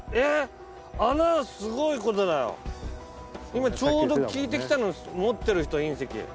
今ちょうど聞いてきたの持ってる人隕石。